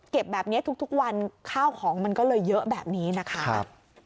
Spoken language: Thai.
แบบนี้ทุกวันข้าวของมันก็เลยเยอะแบบนี้นะคะ